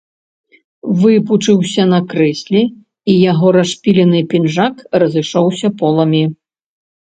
Выпучыўся на крэсле, і яго расшпілены пінжак разышоўся поламі.